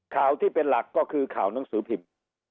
ข่าวที่เป็นหลักก็คือข่าวหนังสือพิมพ์